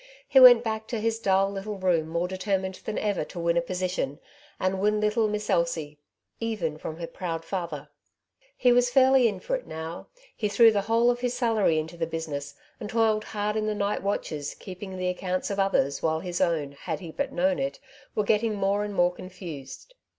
He went back to his dull little room more determined than ever to win a position, and win little Miss Elsie, even from her proud father ! He was fairly in for it now. He threw the whole of his salary into the business, and toiled hard in the night watches keeping the accounts of others while his own, had he but known it, were getting more and more confused.